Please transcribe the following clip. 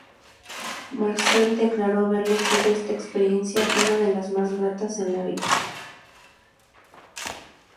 Marcel declaró haberle sido esta experiencia una de las más gratas en la vida.